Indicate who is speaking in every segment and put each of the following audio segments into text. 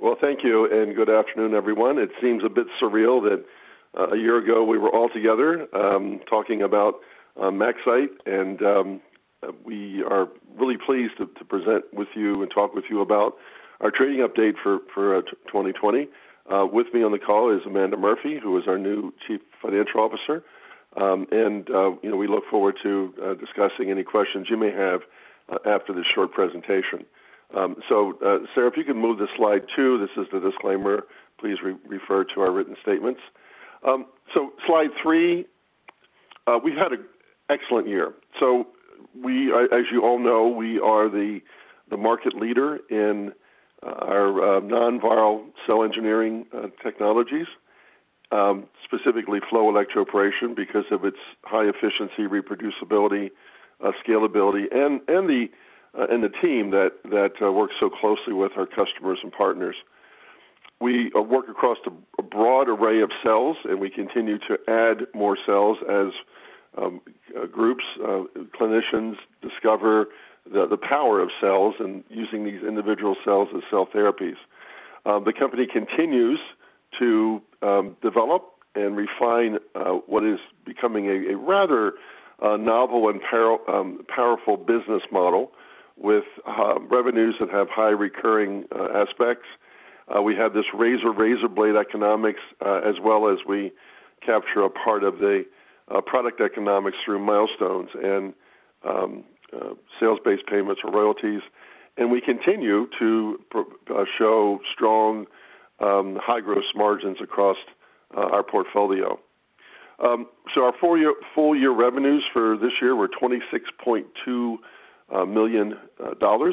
Speaker 1: Well, thank you, and good afternoon, everyone. It seems a bit surreal that a year ago we were all together, talking about MaxCyte, and we are really pleased to present with you and talk with you about our trading update for 2020. With me on the call is Amanda Murphy, who is our new Chief Financial Officer. You know, we look forward to discussing any questions you may have after this short presentation. So, we can move to slide two, this is the disclaimer. Please re-refer to our written statements. Slide three, we had an excellent year. As you all know, we are the market leader in our non-viral cell engineering technologies, specifically Flow Electroporation because of its high efficiency, reproducibility, scalability, and the team that works so closely with our customers and partners. We work across a broad array of cells, and we continue to add more cells as groups clinicians discover the power of cells and using these individual cells as cell therapies. The company continues to develop and refine what is becoming a rather novel and powerful business model with revenues that have high recurring aspects. We have this razor blade economics, as well as we capture a part of the product economics through milestones and sales-based payments or royalties. We continue to show strong, high gross margins across our portfolio. Our full year revenues for this year were $26.2 million,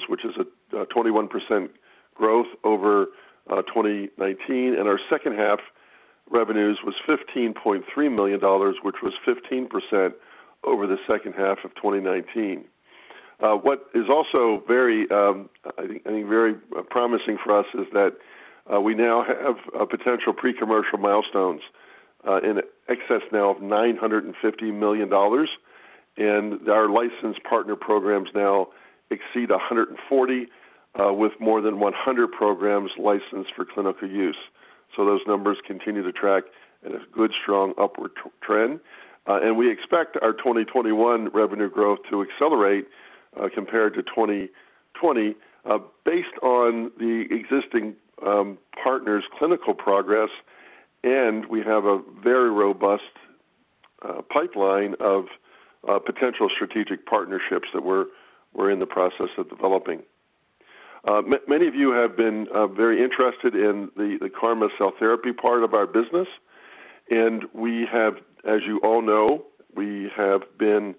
Speaker 1: which is a 21% growth over 2019, and our second half revenues was $15.3 million, which was 15% over the second half of 2019. What is also very, I think very promising for us is that we now have potential pre-commercial milestones in excess now of $950 million, and our licensed partner programs now exceed 140, with more than 100 programs licensed for clinical use. Those numbers continue to track in a good, strong upward trend. We expect our 2021 revenue growth to accelerate compared to 2020, based on the existing partners' clinical progress, and we have a very robust pipeline of potential strategic partnerships that we're in the process of developing. Many of you have been very interested in the CARMA Cell Therapies part of our business, and we have, as you all know, we have been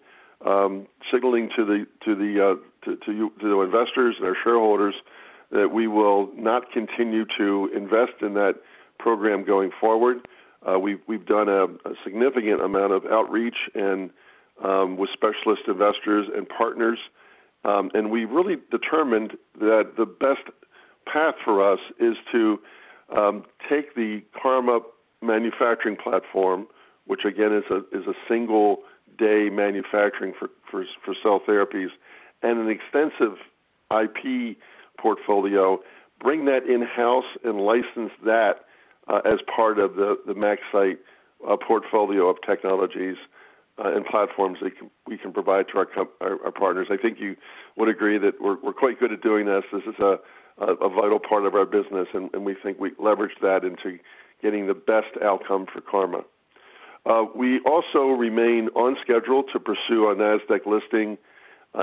Speaker 1: signaling to the investors and our shareholders that we will not continue to invest in that program going forward. We've done a significant amount of outreach and with specialist investors and partners, and we really determined that the best path for us is to take the CARMA manufacturing platform, which again is a single-day manufacturing for cell therapies and an extensive IP portfolio, bring that in-house and license that as part of the MaxCyte portfolio of technologies and platforms that we can provide to our partners. I think you would agree that we're quite good at doing this. This is a vital part of our business, and we think we leveraged that into getting the best outcome for CARMA. We also remain on schedule to pursue our Nasdaq listing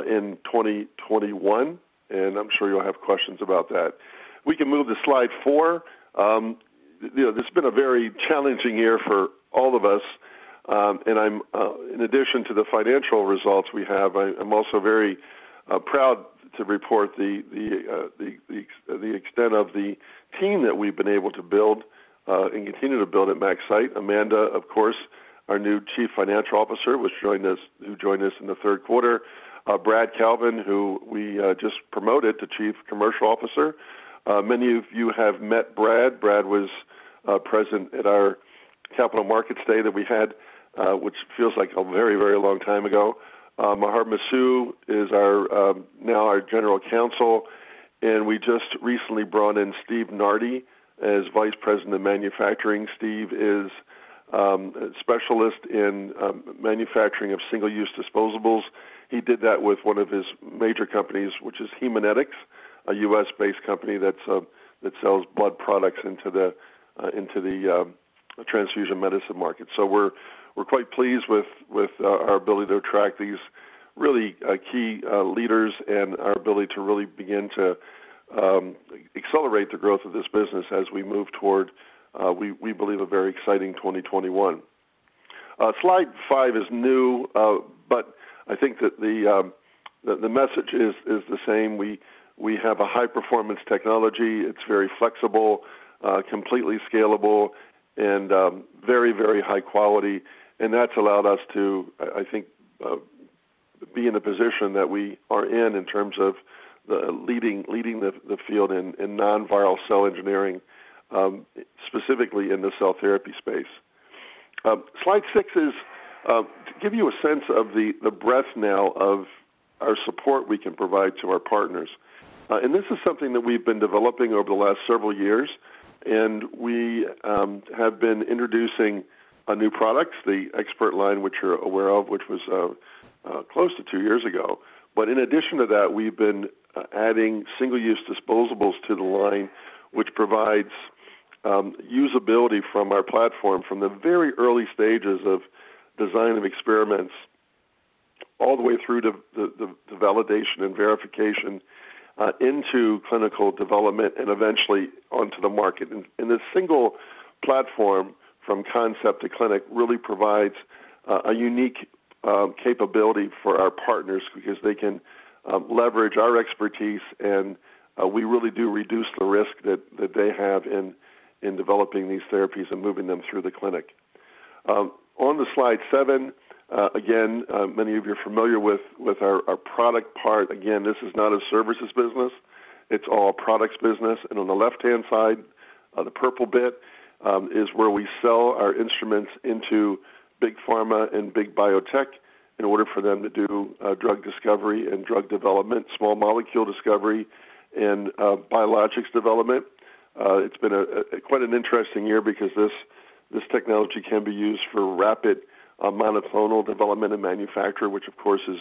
Speaker 1: in 2021, and I'm sure you'll have questions about that. We can move to slide four. You know, this has been a very challenging year for all of us, and in addition to the financial results we have, I'm also very proud to report the extent of the team that we've been able to build and continue to build at MaxCyte. Amanda, of course, our new Chief Financial Officer, who joined us in the Q3. Brad Calvin, who we just promoted to Chief Commercial Officer. Many of you have met Brad. Brad was present at our capital markets day that we had, which feels like a very, very long time ago. Maher Masoud is our now our General Counsel, and we just recently brought in Steve Nardi as Vice President of Manufacturing. Steve is a specialist in manufacturing of single-use disposables. He did that with one of his major companies, which is Haemonetics, a U.S.-based company that sells blood products into the transfusion medicine market. We're quite pleased with our ability to attract these really key leaders and our ability to really begin to accelerate the growth of this business as we move toward we believe a very exciting 2021. Slide five is new, but I think that the message is the same. We have a high-performance technology. It's very flexible, completely scalable, and very high quality, and that's allowed us to, I think, be in the position that we are in terms of leading the field in non-viral cell engineering, specifically in the cell therapy space. Slide six is to give you a sense of the breadth now of our support we can provide to our partners. This is something that we've been developing over the last several years, and we have been introducing new products, the ExPERT line, which you're aware of, which was close to two years ago. In addition to that, we've been adding single-use disposables to the line, which provides usability from our platform from the very early stages of design of experiments all the way through to the validation and verification into clinical development and eventually onto the market. This single platform from concept to clinic really provides a unique capability for our partners because they can leverage our expertise, and we really do reduce the risk that they have in developing these therapies and moving them through the clinic. On slide seven, again, many of you are familiar with our product part. Again, this is not a services business. It's all products business. On the left-hand side, the purple bit is where we sell our instruments into big pharma and big biotech in order for them to do drug discovery and drug development, small molecule discovery, and biologics development. It's been quite an interesting year because this technology can be used for rapid monoclonal development and manufacture, which of course is,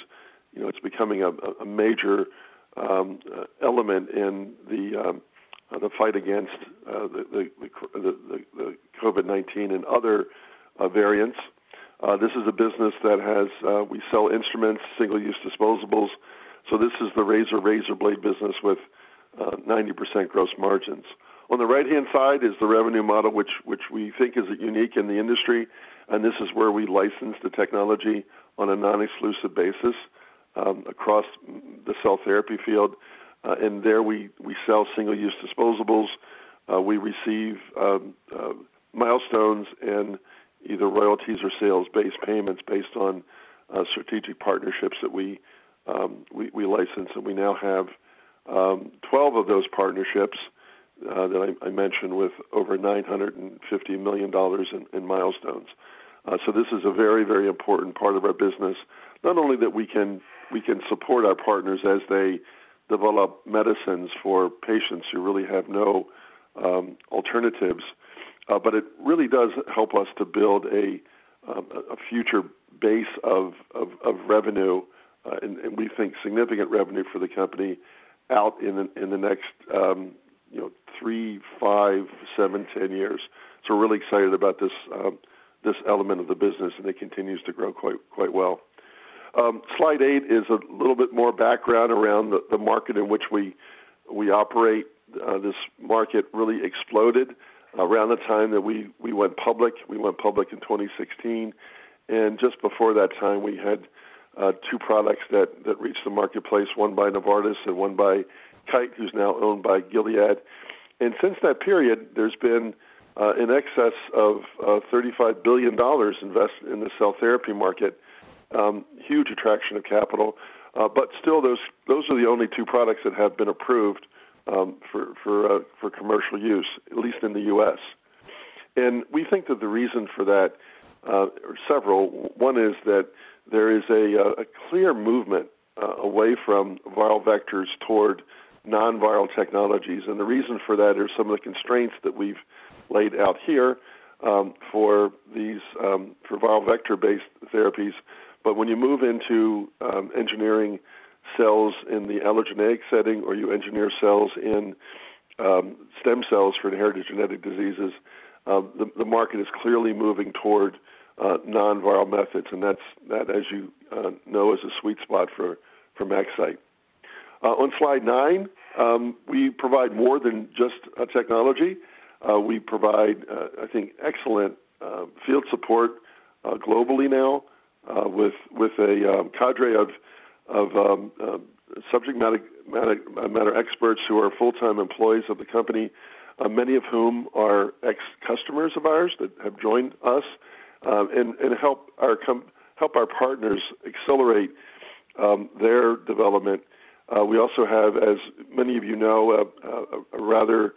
Speaker 1: you know, it's becoming a major element in the fight against the COVID-19 and other variants. This is a business that has, we sell instruments, single-use disposables, so this is the razor blade business with 90% gross margins. On the right-hand side is the revenue model which we think is unique in the industry. This is where we license the technology on a non-exclusive basis across the cell therapy field. There we sell single-use disposables. We receive milestones and either royalties or sales-based payments based on strategic partnerships that we license. We now have 12 of those partnerships that I mentioned with over $950 million in milestones. This is a very important part of our business. Not only that we can support our partners as they develop medicines for patients who really have no alternatives, but it really does help us to build a future base of revenue, and we think significant revenue for the company out in the next, you know, three, five, seven, 10 years. We're really excited about this element of the business, and it continues to grow quite well. Slide eight is a little bit more background around the market in which we operate. This market really exploded around the time that we went public. We went public in 2016, and just before that time, we had two products that reached the marketplace, one by Novartis and one by Kite, who's now owned by Gilead. Since that period, there's been in excess of $35 billion invested in the cell therapy market. Huge attraction of capital, but still those are the only two products that have been approved for commercial use, at least in the U.S. We think that the reason for that are several. One is that there is a clear movement away from viral vectors toward non-viral technologies, and the reason for that are some of the constraints that we've laid out here for these for viral vector-based therapies. When you move into engineering cells in the allogeneic setting or you engineer cells in stem cells for inherited genetic diseases, the market is clearly moving toward non-viral methods, and that, as you know, is a sweet spot for MaxCyte. On slide nine, we provide more than just a technology. We provide, I think, excellent field support globally now with a cadre of subject matter experts who are full-time employees of the company, many of whom are ex-customers of ours that have joined us and help our partners accelerate their development. We also have, as many of you know, a rather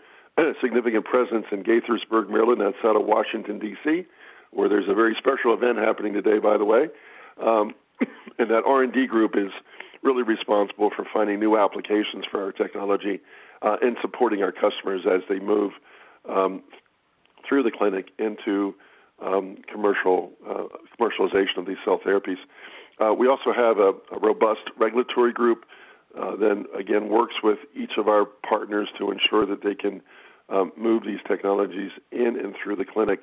Speaker 1: significant presence in Gaithersburg, Maryland, outside of Washington, D.C., where there's a very special event happening today, by the way. That R&D group is really responsible for finding new applications for our technology, and supporting our customers as they move through the clinic into commercial commercialization of these cell therapies. We also have a robust regulatory group that, again, works with each of our partners to ensure that they can move these technologies in and through the clinic.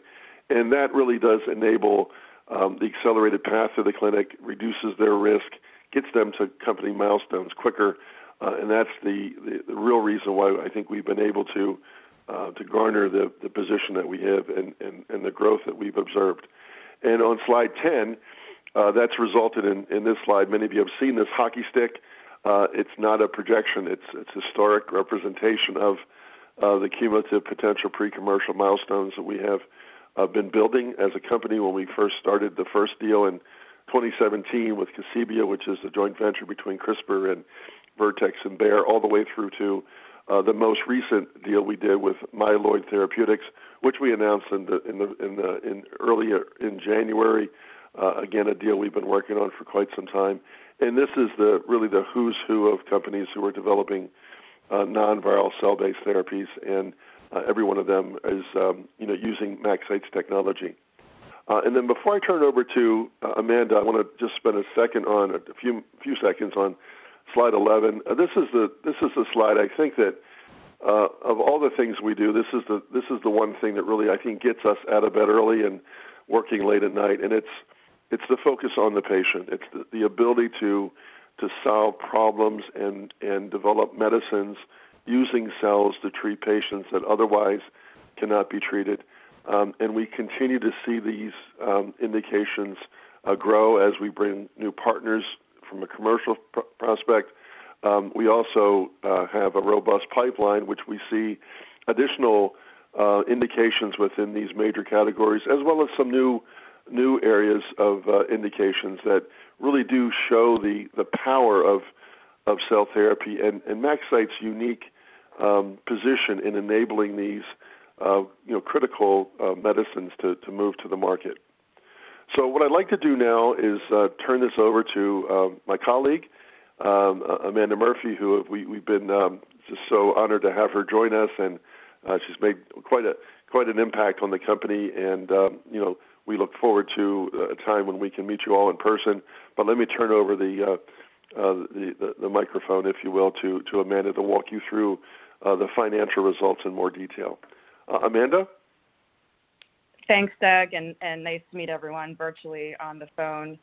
Speaker 1: That really does enable the accelerated path to the clinic, reduces their risk, gets them to company milestones quicker, and that's the real reason why I think we've been able to garner the position that we have and the growth that we've observed. On slide 10, that's resulted in this slide. Many of you have seen this hockey stick. It's not a projection. It's historic representation of the cumulative potential pre-commercial milestones that we have been building as a company when we first started the first deal in 2017 with Casebia, which is the joint venture between CRISPR and Vertex and Bayer, all the way through to the most recent deal we did with Myeloid Therapeutics, which we announced earlier in January. Again, a deal we've been working on for quite some time. This is the really the who's who of companies who are developing non-viral cell-based therapies and every one of them is, you know, using MaxCyte's technology. Before I turn it over to Amanda, I wanna just spend a second on a few, a few seconds on slide 11. This is the slide I think that of all the things we do, this is the one thing that really I think gets us out of bed early and working late at night, and it's the focus on the patient. It's the ability to solve problems and develop medicines using cells to treat patients that otherwise cannot be treated. We continue to see these indications grow as we bring new partners from a commercial perspective. We also have a robust pipeline, which we see additional indications within these major categories, as well as some new areas of indications that really do show the power of cell therapy and MaxCyte's unique position in enabling these, you know, critical medicines to move to the market. What I'd like to do now is turn this over to my colleague, Amanda Murphy, who we've been just so honored to have her join us and she's made quite an impact on the company and, you know, we look forward to a time when we can meet you all in person. Let me turn over the microphone, if you will, to Amanda to walk you through the financial results in more detail. Amanda?
Speaker 2: Thanks, Doug, and nice to meet everyone virtually on the phone.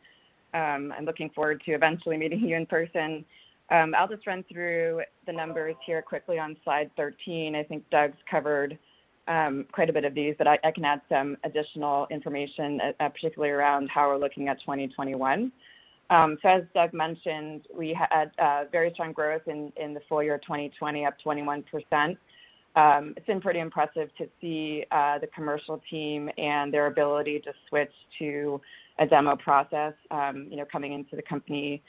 Speaker 2: I'm looking forward to eventually meeting you in person. I'll just run through the numbers here quickly on slide 13. I think Doug's covered quite a bit of these, but I can add some additional information particularly around how we're looking at 2021. As Doug mentioned, we had very strong growth in the full year 2020, up 21%. It's been pretty impressive to see the commercial team and their ability to switch to a demo process, you know, coming into the company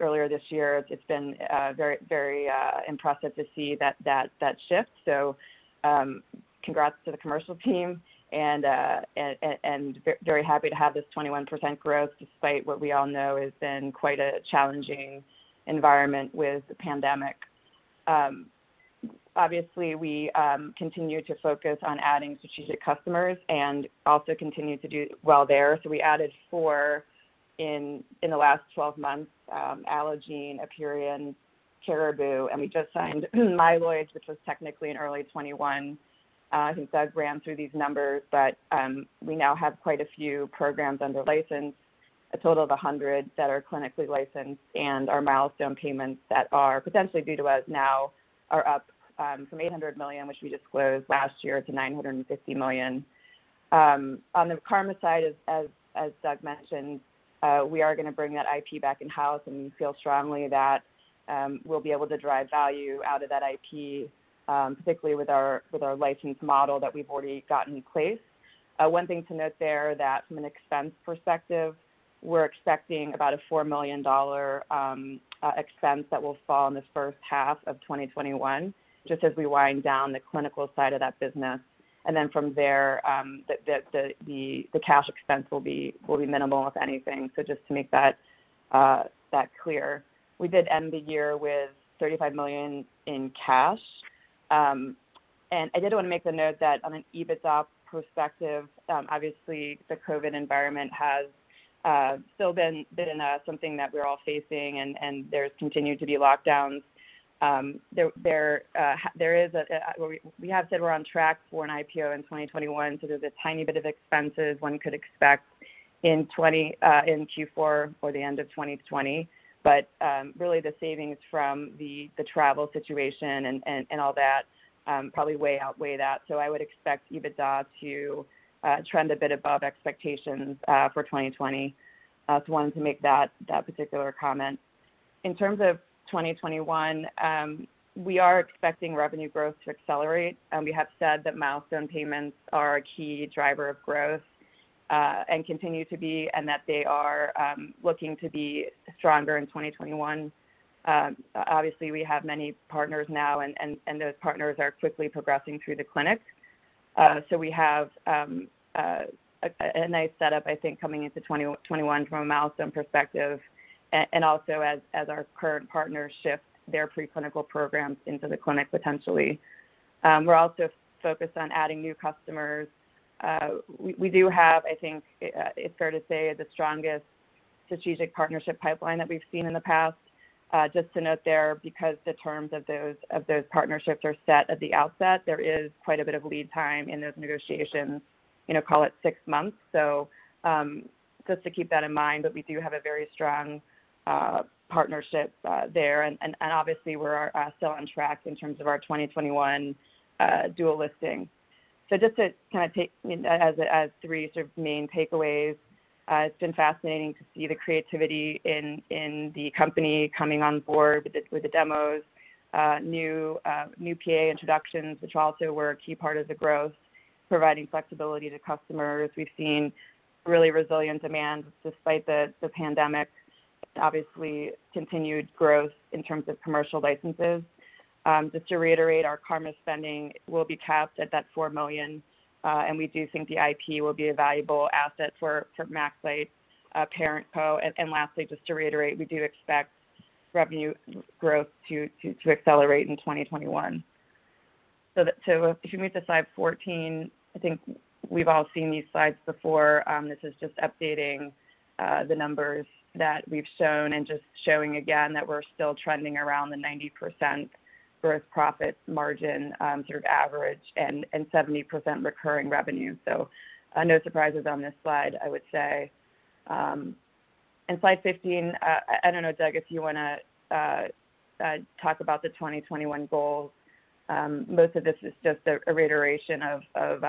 Speaker 2: earlier this year. It's been very impressive to see that shift. Congrats to the commercial team and very happy to have this 21% growth despite what we all know has been quite a challenging environment with the pandemic. Obviously we continue to focus on adding strategic customers and also continue to do well there. We added four in the last 12 months, Allogene, APEIRON, Caribou, and we just signed Myeloid, which was technically in early 2021. I think Doug ran through these numbers, but we now have quite a few programs under license, a total of 100 that are clinically licensed, and our milestone payments that are potentially due to us now are up from $800 million, which we disclosed last year, to $950 million. On the CARMA side, as Doug mentioned, we are gonna bring that IP back in-house, and we feel strongly that we'll be able to drive value out of that IP, particularly with our license model that we've already gotten in place. One thing to note there that from an expense perspective, we're expecting about a $4 million expense that will fall in this first half of 2021, just as we wind down the clinical side of that business. From there, the cash expense will be minimal, if anything. Just to make that clear. We did end the year with $35 million in cash. I did wanna make the note that on an EBITDA perspective, obviously the COVID-19 environment has still been something that we're all facing and there's continued to be lockdowns. We have said we're on track for an IPO in 2021, so there's a tiny bit of expenses one could expect in 2020 in Q4 or the end of 2020. Really the savings from the travel situation and all that probably way outweigh that. I would expect EBITDA to trend a bit above expectations for 2020. Wanted to make that particular comment. In terms of 2021, we are expecting revenue growth to accelerate. We have said that milestone payments are a key driver of growth, continue to be, and they are looking to be stronger in 2021. Obviously we have many partners now and those partners are quickly progressing through the clinic. We have a nice setup, I think, coming into 2021 from a milestone perspective, and also as our current partners shift their preclinical programs into the clinic potentially. We're also focused on adding new customers. We do have, I think, it's fair to say, the strongest strategic partnership pipeline that we've seen in the past. Just to note there, because the terms of those, of those partnerships are set at the outset, there is quite a bit of lead time in those negotiations, you know, call it 6 months. Just to keep that in mind, but we do have a very strong partnership there and, and obviously we're still on track in terms of our 2021 dual listing. Just to kind of take, you know, as three sort of main takeaways, it's been fascinating to see the creativity in the company coming on board with the, with the demos, new PA introductions, which also were a key part of the growthProviding flexibility to customers. We've seen really resilient demand despite the pandemic, obviously continued growth in terms of commercial licenses. Just to reiterate, our CARMA spending will be capped at that $4 million, and we do think the IP will be a valuable asset for MaxCyte parent co. Lastly, just to reiterate, we do expect revenue growth to accelerate in 2021. If you move to slide 14, I think we've all seen these slides before. This is just updating the numbers that we've shown and just showing again that we're still trending around the 90% gross profit margin sort of average and 70% recurring revenue. No surprises on this slide, I would say. Slide 15, I don't know, Doug, if you wanna talk about the 2021 goals. Most of this is just a reiteration of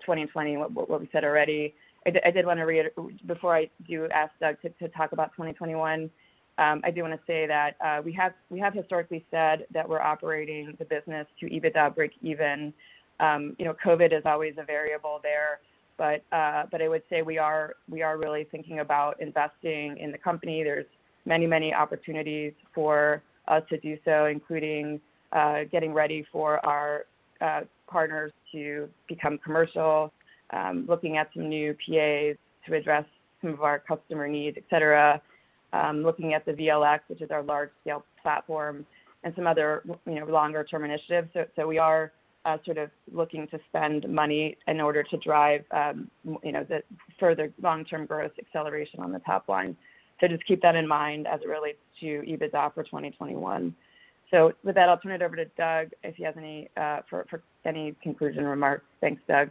Speaker 2: 2020 and what we said already. I did wanna Before I do ask Doug to talk about 2021, I do wanna say that we have historically said that we're operating the business to EBITDA breakeven. You know, COVID is always a variable there, but I would say we are really thinking about investing in the company. There's many opportunities for us to do so, including getting ready for our partners to become commercial, looking at some new PAs to address some of our customer needs, et cetera, looking at the VLx, which is our large-scale platform, and some other you know, longer term initiatives. We are sort of looking to spend money in order to drive, you know, the further long-term growth acceleration on the top line. Just keep that in mind as it relates to EBITDA for 2021. With that, I'll turn it over to Doug, if you have any conclusion remarks. Thanks, Doug.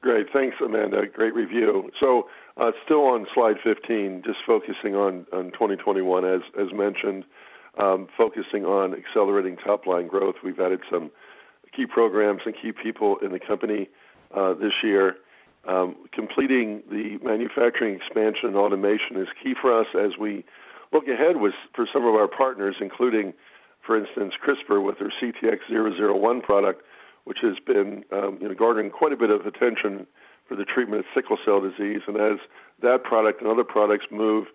Speaker 1: Great. Thanks, Amanda. Great review. Still on slide 15, just focusing on 2021, as mentioned, focusing on accelerating top-line growth. We've added some key programs and key people in the company this year. Completing the manufacturing expansion and automation is key for us as we look ahead for some of our partners, including, for instance, CRISPR, with their CTX001 product, which has been, you know, garnering quite a bit of attention for the treatment of sickle cell disease. As that product and other products move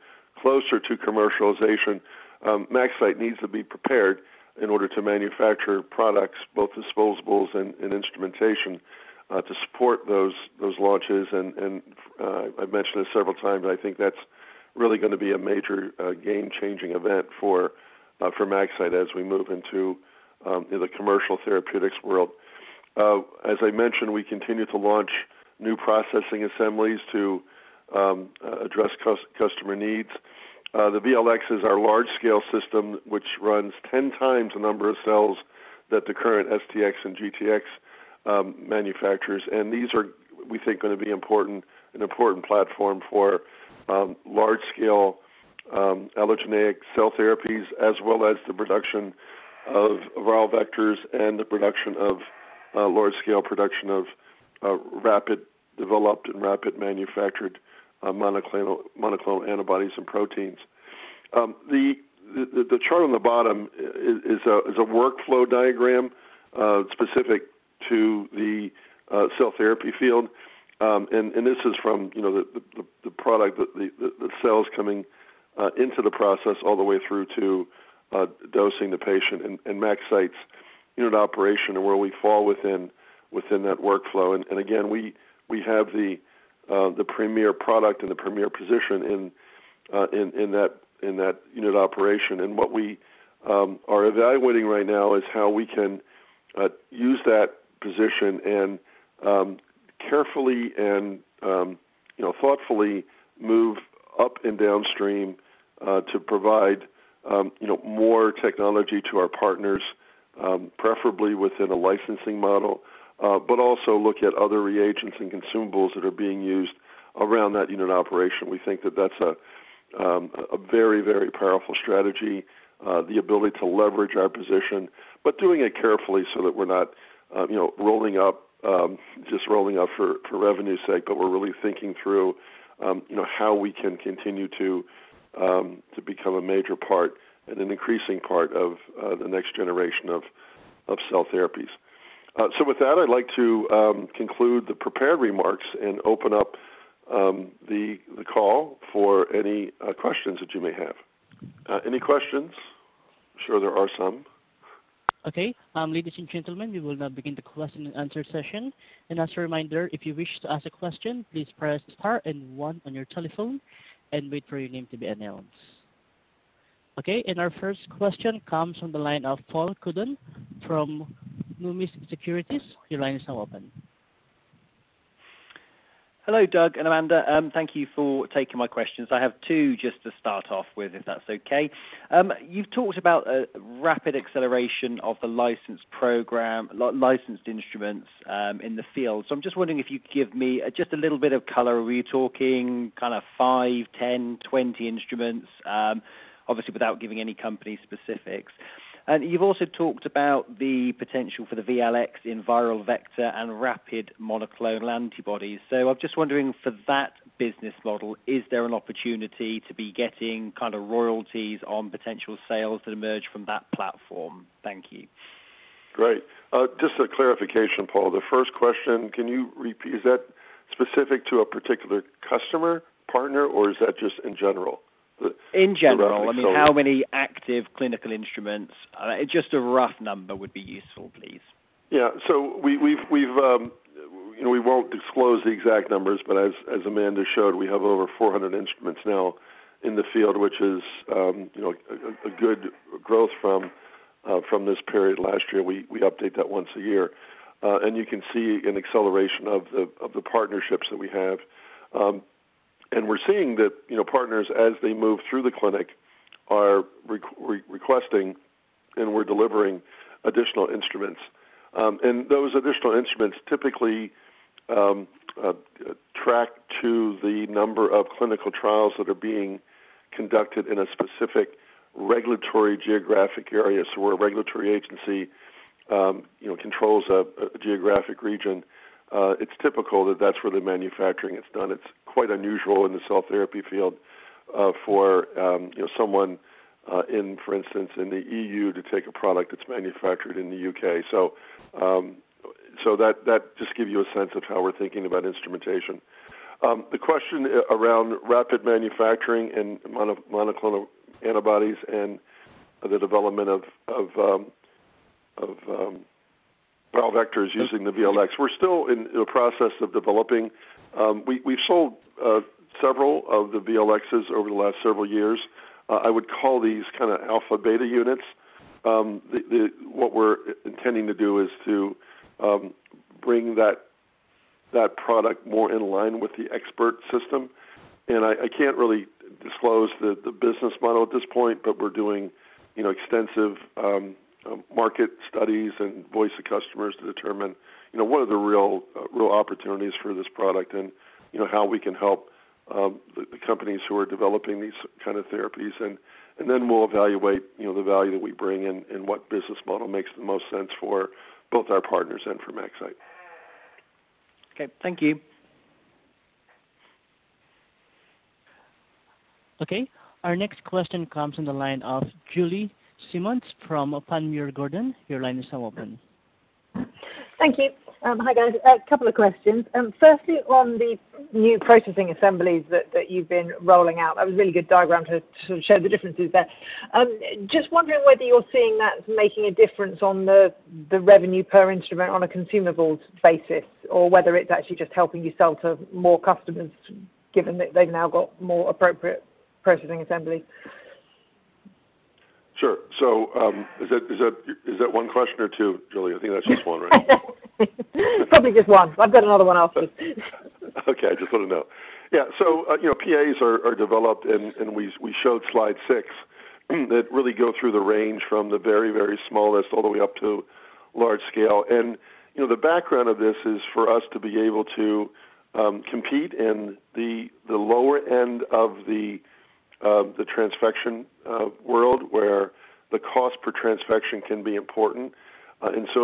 Speaker 1: closer to commercialization, MaxCyte needs to be prepared in order to manufacture products, both disposables and instrumentation, to support those launches. I've mentioned this several times, but I think that's really gonna be a major game-changing event for MaxCyte as we move into the commercial therapeutics world. As I mentioned, we continue to launch new Processing Assemblies to address customer needs. The VLx is our large-scale system, which runs 10 times the number of cells that the current STx and GTx manufactures. These are, we think, gonna be important, an important platform for large-scale allogeneic cell therapies, as well as the production of viral vectors and the production of large-scale production of rapid developed and rapid manufactured monoclonal antibodies and proteins. The chart on the bottom is a workflow diagram specific to the cell therapy field. And this is from, you know, the product that the cells coming into the process all the way through to dosing the patient and MaxCyte's unit operation and where we fall within that workflow. Again, we have the premier product and the premier position in that unit operation. What we are evaluating right now is how we can use that position and carefully and, you know, thoughtfully move up and downstream to provide, you know, more technology to our partners, preferably within a licensing model, but also look at other reagents and consumables that are being used around that unit operation. We think that that's a very, very powerful strategy, the ability to leverage our position, but doing it carefully so that we're not, you know, rolling up, just rolling up for revenue's sake, but we're really thinking through, you know, how we can continue to become a major part and an increasing part of the next generation of cell therapies. With that, I'd like to conclude the prepared remarks and open up the call for any questions that you may have. Any questions? I'm sure there are some.
Speaker 3: Okay. Ladies and gentlemen, we will now begin the question and answer session. Our first question comes from the line of Paul Cuddon from Numis Securities. Your line is now open.
Speaker 4: Hello, Doug and Amanda. Thank you for taking my questions. I have two just to start off with, if that's okay. You've talked about a rapid acceleration of the licensed program, licensed instruments in the field. I'm just wondering if you could give me just a little bit of color. Are we talking kind of 5, 10, 20 instruments? Obviously without giving any company specifics. You've also talked about the potential for the VLx in viral vector and rapid monoclonal antibodies. I'm just wondering for that business model, is there an opportunity to be getting kind of royalties on potential sales that emerge from that platform? Thank you.
Speaker 1: Great. Just a clarification, Paul. The first question, can you repeat, is that specific to a particular customer, partner, or is that just in general?
Speaker 4: In general.
Speaker 1: The rapid seller.
Speaker 4: I mean, how many active clinical instruments? Just a rough number would be useful, please.
Speaker 1: Yeah. We've, you know, we won't disclose the exact numbers, but as Amanda showed, we have over 400 instruments now in the field, which is, you know, a good growth from this period last year. We update that once a year. You can see an acceleration of the partnerships that we have. We're seeing that, you know, partners, as they move through the clinic, are re-requesting, and we're delivering additional instruments. Those additional instruments typically track to the number of clinical trials that are being conducted in a specific regulatory geographic area. Where a regulatory agency, you know, controls a geographic region, it's typical that that's where the manufacturing is done. It's quite unusual in the cell therapy field, for, you know, someone, in, for instance, in the E.U. to take a product that's manufactured in the U.K. That just gives you a sense of how we're thinking about instrumentation. The question around rapid manufacturing and monoclonal antibodies and the development of viral vectors using the VLx, we're still in the process of developing. We've sold several of the VLXs over the last several years. I would call these kind of alpha/beta units. What we're intending to do is to bring that product more in line with the ExPERT system. I can't really disclose the business model at this point, but we're doing, you know, extensive market studies and voice of customers to determine, you know, what are the real opportunities for this product and, you know, how we can help the companies who are developing these kind of therapies. We'll evaluate, you know, the value that we bring and what business model makes the most sense for both our partners and for MaxCyte.
Speaker 4: Okay, thank you.
Speaker 3: Okay. Our next question comes in the line of Julie Simmonds from Panmure Gordon. Your line is now open.
Speaker 5: Thank you. Hi, guys. A couple of questions. Firstly, on the new Processing Assemblies that you've been rolling out, that was a really good diagram to show the differences there. Just wondering whether you're seeing that making a difference on the revenue per instrument on a consumables basis or whether it's actually just helping you sell to more customers, given that they've now got more appropriate Processing Assembly.
Speaker 1: Sure. Is that one question or two, Julie? I think that's just one, right?
Speaker 5: Probably just one. I've got another one else then.
Speaker 1: Okay, just want to know. Yeah, you know, PAs are developed, and we showed slide six, that really go through the range from the very smallest all the way up to large scale. You know, the background of this is for us to be able to compete in the lower end of the transfection world, where the cost per transfection can be important.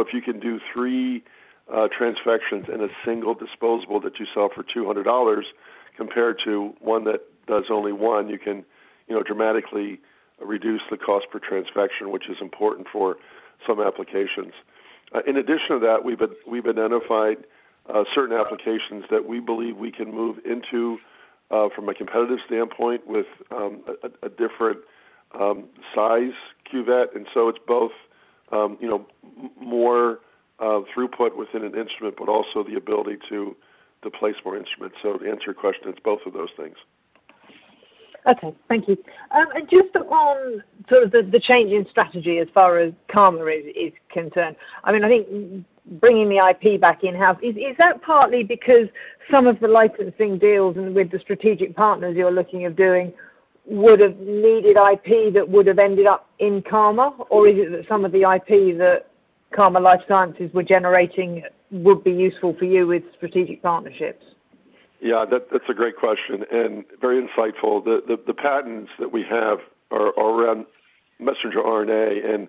Speaker 1: If you can do three transfections in a single disposable that you sell for $200 compared to one that does only one, you can, you know, dramatically reduce the cost per transfection, which is important for some applications. In addition to that, we've identified certain applications that we believe we can move into from a competitive standpoint with a different size cuvette. It's both, you know, more throughput within an instrument, but also the ability to place more instruments. To answer your question, it's both of those things.
Speaker 5: Okay, thank you. Just on sort of the change in strategy as far as CARMA is concerned, I mean, I think bringing the IP back in-house, is that partly because some of the licensing deals and with the strategic partners you're looking of doing would've needed IP that would have ended up in CARMA? Or is it that some of the IP that CARMA Cell Therapies were generating would be useful for you with strategic partnerships?
Speaker 1: Yeah, that's a great question and very insightful. The patents that we have are around messenger RNA, and,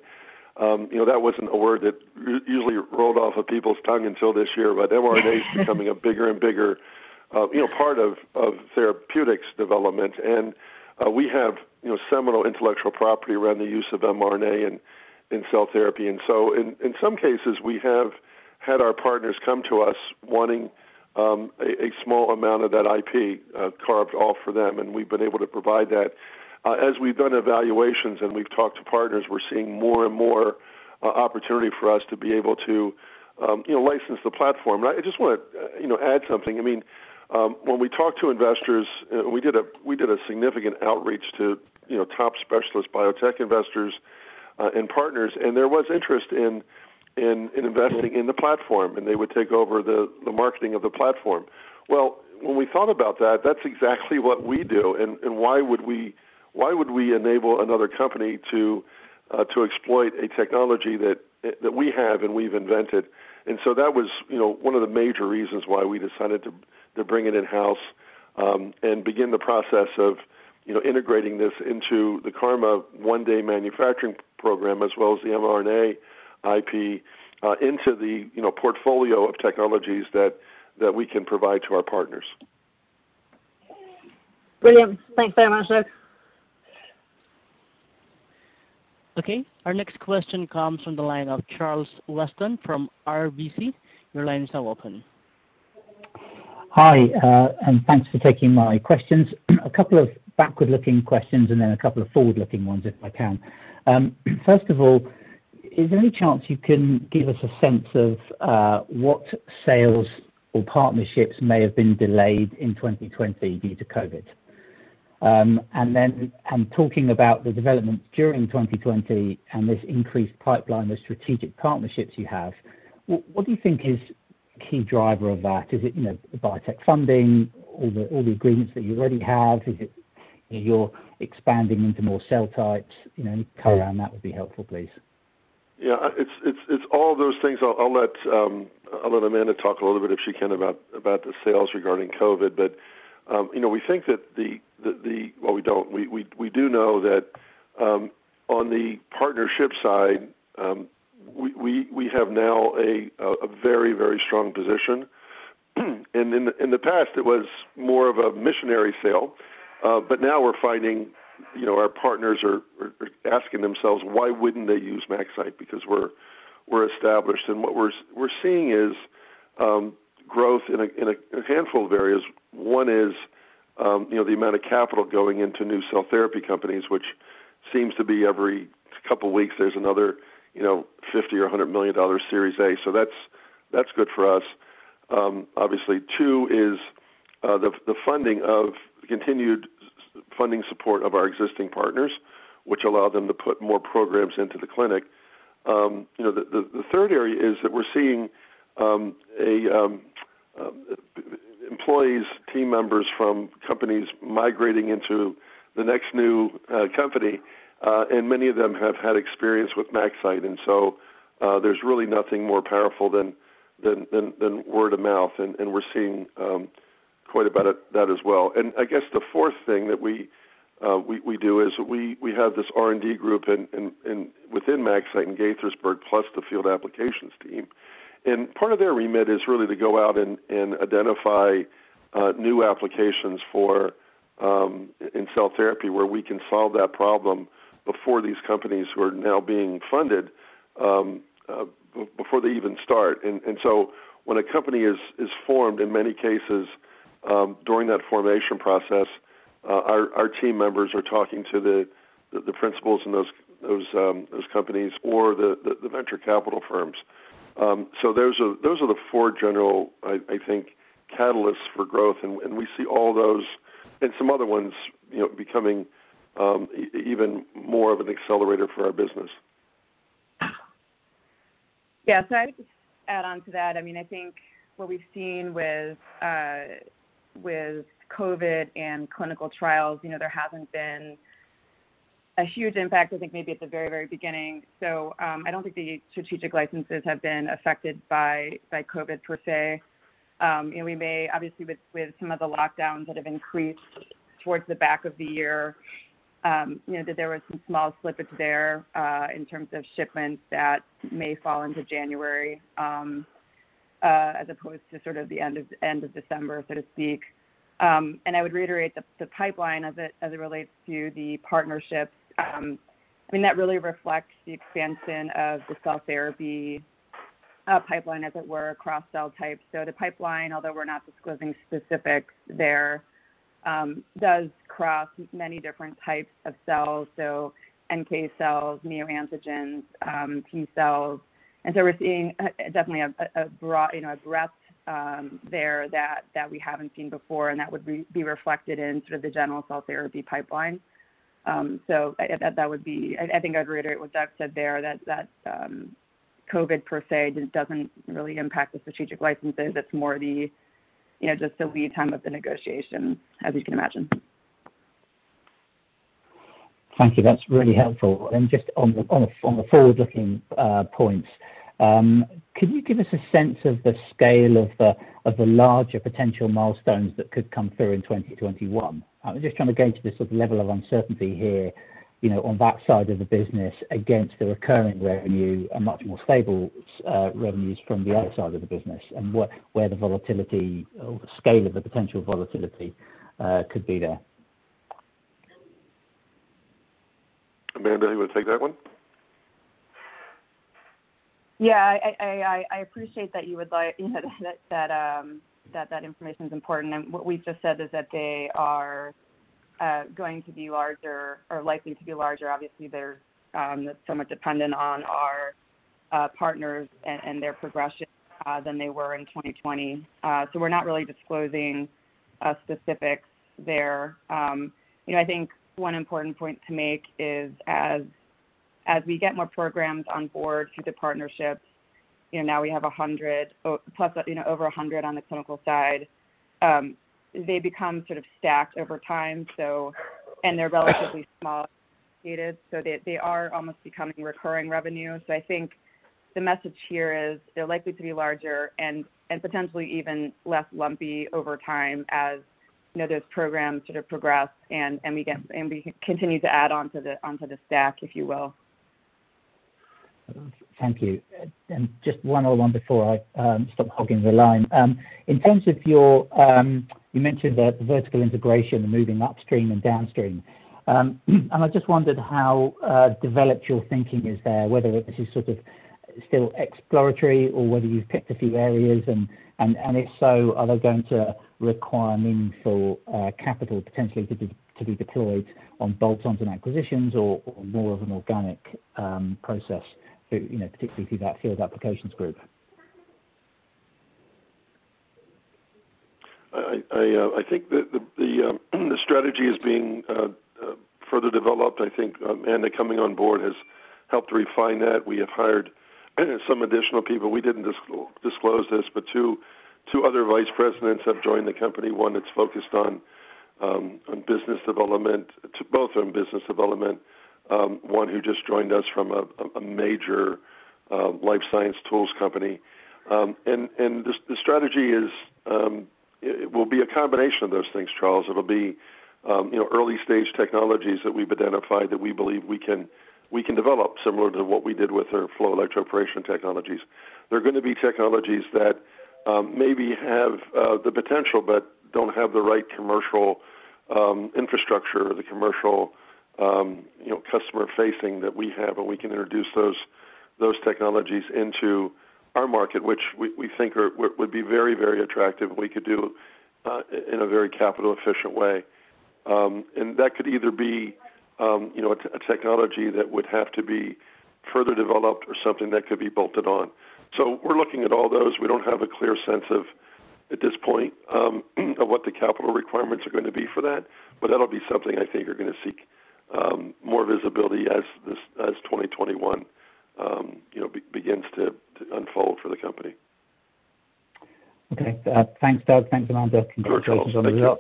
Speaker 1: you know, that wasn't a word that usually rolled off of people's tongue until this year. mRNA is becoming a bigger and bigger, you know, part of therapeutics development. We have, you know, seminal intellectual property around the use of mRNA in cell therapy. In some cases, we have had our partners come to us wanting a small amount of that IP carved off for them, and we've been able to provide that. As we've done evaluations and we've talked to partners, we're seeing more and more opportunity for us to be able to, you know, license the platform. I just wanna, you know, add something. I mean, when we talk to investors, we did a significant outreach to, you know, top specialist biotech investors and partners, there was interest in investing in the platform, and they would take over the marketing of the platform. Well, when we thought about that's exactly what we do, and why would we enable another company to exploit a technology that we have and we've invented? That was, you know, one of the major reasons why we decided to bring it in-house, and begin the process of, you know, integrating this into the CARMA one-day manufacturing program, as well as the mRNA IP into the, you know, portfolio of technologies that we can provide to our partners.
Speaker 5: Brilliant. Thanks very much, Doug.
Speaker 3: Okay. Our next question comes from the line of Charles Weston from RBC. Your line is now open.
Speaker 6: Hi, thanks for taking my questions. A couple of backward-looking questions and then a couple of forward-looking ones, if I can. First of all, is there any chance you can give us a sense of what sales or partnerships may have been delayed in 2020 due to COVID-19? Then, talking about the developments during 2020 and this increased pipeline of strategic partnerships you have, what do you think is key driver of that? Is it, you know, the biotech funding or the, or the agreements that you already have? Is it, you know, you're expanding into more cell types? You know, any color on that would be helpful, please.
Speaker 1: Yeah. It's all those things. I'll let Amanda talk a little bit, if she can, about the sales regarding COVID. You know, we don't. We do know that, on the partnership side, we have now a very strong position. In the past it was more of a missionary sale, now we're finding, you know, our partners are asking themselves why wouldn't they use MaxCyte because we're established. What we're seeing is growth in a handful of areas. One is, you know, the amount of capital going into new cell therapy companies, which seems to be every couple weeks there's another, you know, $50 or $100 million Series A. That's good for us, obviously. Two is the funding of continued funding support of our existing partners, which allow them to put more programs into the clinic. You know, the third area is that we're seeing employees, team members from companies migrating into the next new company, and many of them have had experience with MaxCyte. There's really nothing more powerful than word of mouth, and we're seeing quite a bit of that as well. I guess the fourth thing that we do is we have this R&D group in within MaxCyte in Gaithersburg, plus the field applications team. Part of their remit is really to go out and identify new applications for in cell therapy where we can solve that problem before these companies who are now being funded before they even start. So when a company is formed, in many cases, during that formation process, our team members are talking to the principals in those companies or the venture capital firms. So those are the four general, I think, catalysts for growth, and we see all those and some other ones, you know, becoming even more of an accelerator for our business.
Speaker 2: Yeah. I could just add on to that. I mean, I think what we've seen with COVID and clinical trials, you know, there hasn't been a huge impact, I think maybe at the very, very beginning. I don't think the strategic licenses have been affected by COVID per se. We may obviously with some of the lockdowns that have increased towards the back of the year, you know, that there was some small slippage there in terms of shipments that may fall into January as opposed to sort of the end of December, so to speak. I would reiterate the pipeline as it relates to the partnerships, I mean, that really reflects the expansion of the cell therapy pipeline, as it were, across cell types. The pipeline, although we're not disclosing specifics there, does cross many different types of cells, NK cells, neoantigens, T-cells. We're seeing definitely a broad, you know, a breadth there that we haven't seen before, and that would be reflected in sort of the general cell therapy pipeline. At that would be I think I'd reiterate what Doug said there, that COVID per se doesn't really impact the strategic licenses. It's more the, you know, just the lead time of the negotiation, as you can imagine.
Speaker 6: Thank you. That's really helpful. Just on the forward-looking points, could you give us a sense of the scale of the larger potential milestones that could come through in 2021? I'm just trying to gauge the sort of level of uncertainty here, you know, on that side of the business against the recurring revenue and much more stable revenues from the other side of the business and where the volatility or the scale of the potential volatility could be there.
Speaker 1: Amanda, you wanna take that one?
Speaker 2: Yeah. I appreciate that you would like, you know, that information is important. What we've just said is that they are going to be larger or likely to be larger. Obviously, they're somewhat dependent on our partners and their progression than they were in 2020. We're not really disclosing specifics there. You know, I think one important point to make is as we get more programs on board through the partnerships, you know, now we have 100-plus, you know, over 100 on the clinical side, they become sort of stacked over time. They're relatively small so they are almost becoming recurring revenue. I think the message here is they're likely to be larger and potentially even less lumpy over time as, you know, those programs sort of progress and we continue to add onto the, onto the stack, if you will.
Speaker 6: Thank you. Just one other one before I stop hogging the line. In terms of your, you mentioned the vertical integration, the moving upstream and downstream. I just wondered how developed your thinking is there, whether this is sort of still exploratory or whether you've picked a few areas, and if so, are they going to require meaningful capital potentially to be deployed on bolt-ons and acquisitions or more of an organic process, you know, particularly through that field applications group?
Speaker 1: I think the strategy is being further developed. I think Amanda Murphy coming on board has helped refine that. We have hired some additional people. We didn't disclose this, but two other vice presidents have joined the company, one that's focused on business development, to both on business development, one who just joined us from a major life science tools company. The strategy is, it will be a combination of those things, Charles. It'll be, you know, early stage technologies that we've identified that we believe we can develop similar to what we did with our Flow Electroporation technologies. There are gonna be technologies that maybe have the potential but don't have the right commercial infrastructure or the commercial, you know, customer-facing that we have, and we can introduce those technologies into our market, which we think are very attractive, and we could do in a very capital efficient way. That could either be, you know, a technology that would have to be further developed or something that could be bolted on. We're looking at all those. We don't have a clear sense of, at this point, of what the capital requirements are gonna be for that. That'll be something I think you're gonna seek more visibility as this, as 2021, you know, begins to unfold for the company.
Speaker 6: Okay. Thanks, Doug. Thanks, Amanda.
Speaker 1: Sure, Charles. Thank you.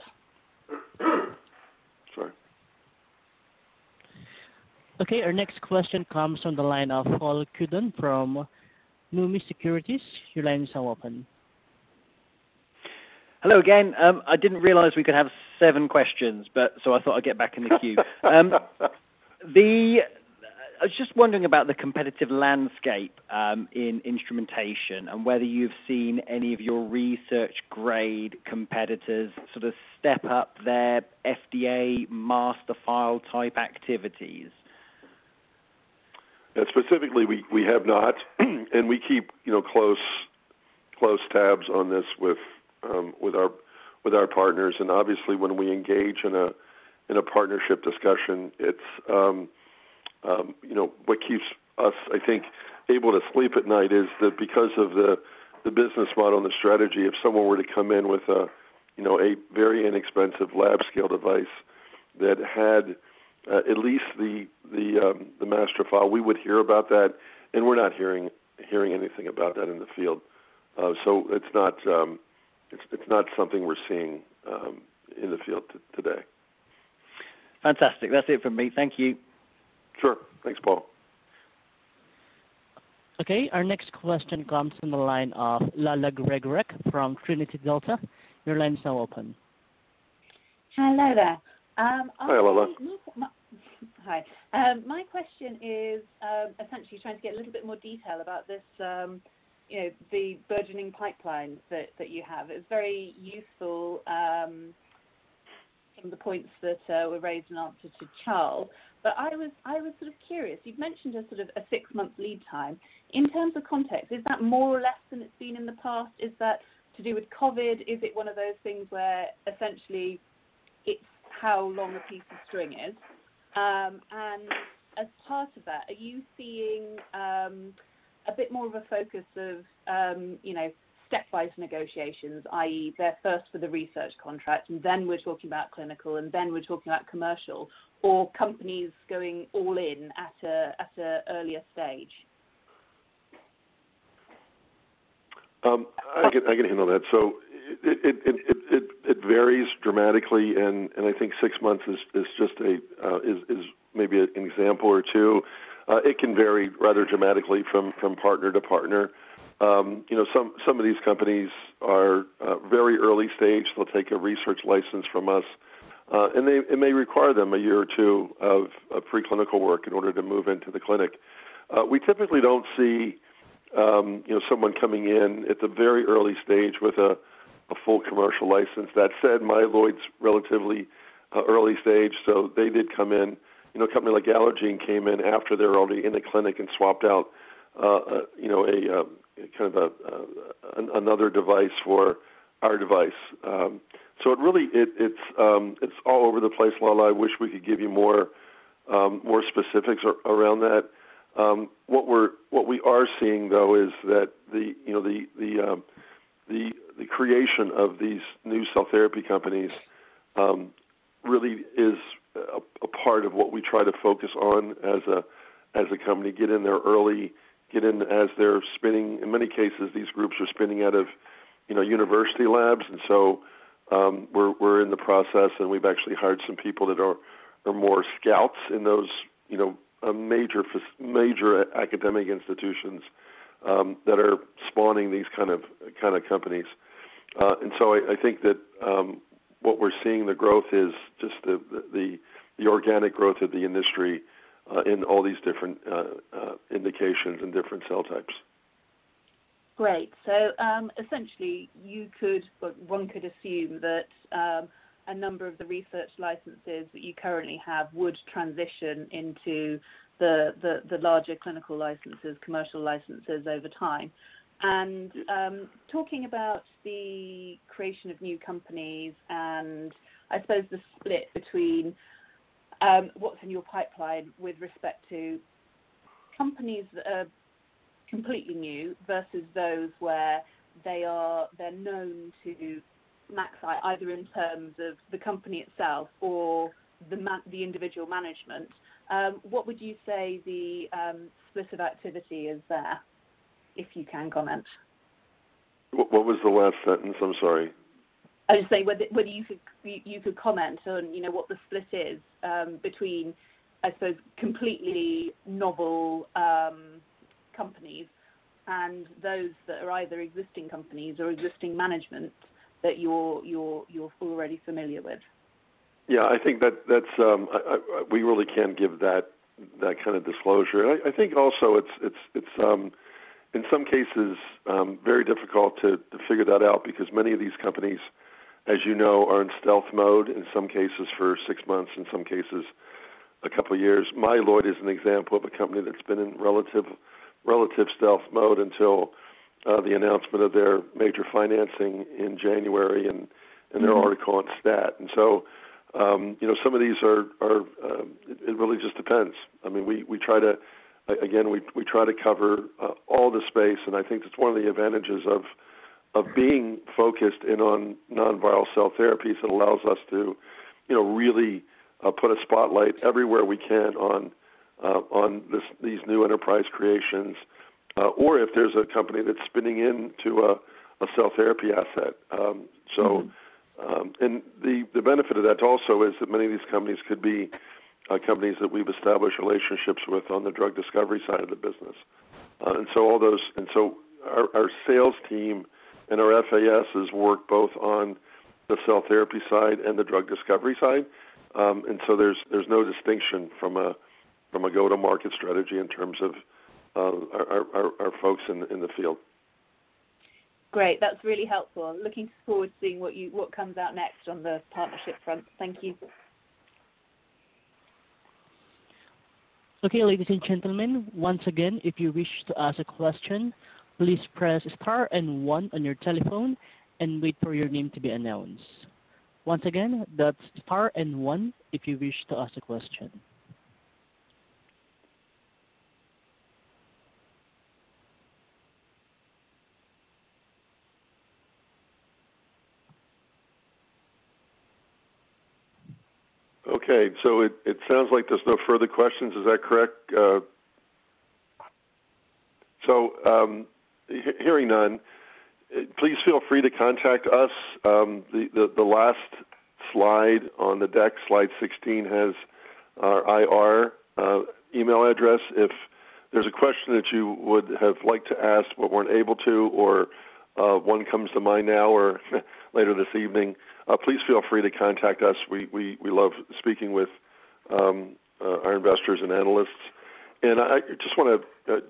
Speaker 3: Okay, our next question comes from the line of Paul Cuddon from Numis Securities. Your lines are open.
Speaker 4: Hello again. I didn't realize we could have seven questions, but so I thought I'd get back in the queue. I was just wondering about the competitive landscape in instrumentation and whether you've seen any of your research grade competitors sort of step up their FDA master file type activities.
Speaker 1: Yeah, specifically, we have not, we keep, you know, close tabs on this with our partners. Obviously, when we engage in a partnership discussion, it's, you know, what keeps us, I think, able to sleep at night is that because of the business model and the strategy, if someone were to come in with a, you know, a very inexpensive lab scale device that had at least the Master File, we would hear about that, and we're not hearing anything about that in the field. It's not, it's not something we're seeing in the field today.
Speaker 4: Fantastic. That is it from me. Thank you.
Speaker 1: Sure. Thanks, Paul.
Speaker 3: Okay, our next question comes from the line of Lala Gregorek from Trinity Delta. Your line's now open.
Speaker 7: Hello there.
Speaker 1: Hi, Lala.
Speaker 7: Hi. My question is, essentially trying to get a little bit more detail about this, you know, the burgeoning pipeline that you have. It's very useful, from the points that were raised in answer to Charles. I was sort of curious. You've mentioned a sort of a six-month lead time. In terms of context, is that more or less than it's been in the past? Is that to do with COVID? Is it one of those things where essentially it's how long a piece of string is? As part of that, are you seeing a bit more of a focus of, you know, stepwise negotiations, i.e., they're first for the research contract, and then we're talking about clinical, and then we're talking about commercial or companies going all in at a earlier stage?
Speaker 1: I can handle that. It varies dramatically, and I think six months is just maybe an example or two. It can vary rather dramatically from partner to partner. You know, some of these companies are very early stage. They'll take a research license from us, and it may require them a year or two of preclinical work in order to move into the clinic. We typically don't see, you know, someone coming in at the very early stage with a full commercial license. That said, Myeloid's relatively early stage, so they did come in. You know, a company like Allogene came in after they're already in the clinic and swapped out, you know, kind of another device for our device. It really, it's all over the place, Lala. I wish we could give you more, more specifics around that. What we are seeing, though, is that the, you know, the creation of these new cell therapy companies really is a part of what we try to focus on as a company, get in there early, get in as they're spinning. In many cases, these groups are spinning out of, you know, university labs. We're in the process, and we've actually hired some people that are more scouts in those, you know, a major academic institutions that are spawning these kind of companies. I think that what we're seeing the growth is just the organic growth of the industry, in all these different indications and different cell types.
Speaker 7: Great. Essentially One could assume that, a number of the research licenses that you currently have would transition into the larger clinical licenses, commercial licenses over time. Talking about the creation of new companies and I suppose the split between, what's in your pipeline with respect to companies that are completely new versus those where They're known to MaxCyte, either in terms of the company itself or the individual management, what would you say the split of activity is there, if you can comment?
Speaker 1: What was the last sentence? I'm sorry.
Speaker 7: I was saying whether you could comment on, you know, what the split is between, I suppose, completely novel companies and those that are either existing companies or existing management that you're already familiar with.
Speaker 1: I think that's. We really can't give that kind of disclosure. I think also it's in some cases very difficult to figure that out because many of these companies, as you know, are in stealth mode, in some cases for six months, in some cases a couple years. Myeloid is an example of a company that's been in relative stealth mode until the announcement of their major financing in January. Their article on STAT. It really just depends. I mean, we try to again, we try to cover all the space, and I think that's one of the advantages of being focused in on non-viral cell therapies that allows us to, you know, really put a spotlight everywhere we can on this, these new enterprise creations. If there's a company that's spinning into a cell therapy asset. The benefit of that also is that many of these companies could be companies that we've established relationships with on the drug discovery side of the business. Our sales team and our FASs work both on the cell therapy side and the drug discovery side. There's no distinction from a go-to-market strategy in terms of our folks in the field.
Speaker 7: Great. That's really helpful. I'm looking forward to seeing what comes out next on the partnership front. Thank you.
Speaker 3: Okay, ladies and gentlemen, once again, if you wish to ask a question, please press star and one on your telephone and wait for your name to be announced. Once again, that's star and one if you wish to ask a question.
Speaker 1: Okay. It sounds like there's no further questions. Is that correct? Hearing none, please feel free to contact us. The last slide on the deck, slide 16, has our IR email address. If there's a question that you would have liked to ask but weren't able to, or one comes to mind now or later this evening, please feel free to contact us. We love speaking with our investors and analysts. I just want to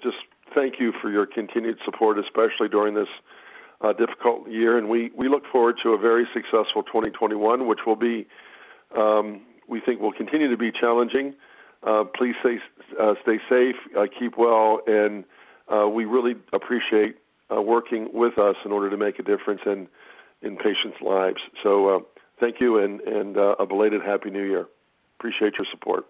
Speaker 1: thank you for your continued support, especially during this difficult year. We look forward to a very successful 2021, which will be. We think will continue to be challenging. Please stay safe, keep well, and we really appreciate working with us in order to make a difference in patients' lives. Thank you and, a belated Happy New Year. Appreciate your support.